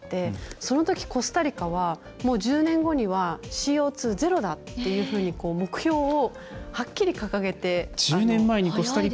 そのとき、コスタリカは１０年後にはＣＯ２ゼロだっていうふうに目標をはっきり、掲げて。